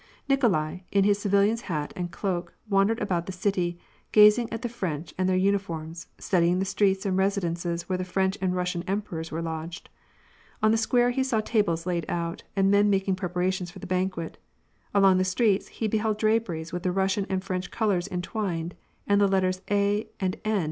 Nikolai, in his civilian's hat and coat, wandered about the city, gazing at the French and their uniforms, studying the streets and residences where the French and Russian emperors were lodged. On the square, he saw tables laid out, and men making preparations for the banquet; along the streets, he beheld draperies with the Russian and French colors entwined, and the letters A. and N.